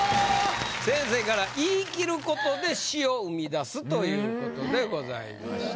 先生から「言い切ることで詩を生み出す！」ということでございました。